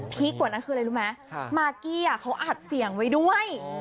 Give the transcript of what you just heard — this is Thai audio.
กว่านั้นคืออะไรรู้ไหมมากกี้เขาอัดเสียงไว้ด้วย